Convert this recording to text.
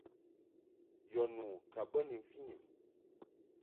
Yɔ nu ka bə ni mfɨnyum.